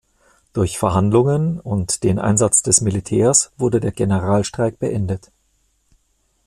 Durch Verhandlungen und den Einsatz des Militärs wurde der Generalstreik beendet.